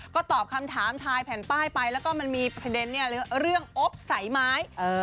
ก็ตอบคำถามทายแผ่นป้ายไปแล้วก็มันมีประเด็นเรื่องอบสายไม้